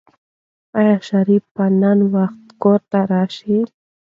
آیا شریف به نن په وخت کور ته راشي؟